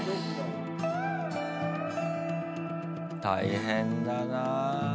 大変だな。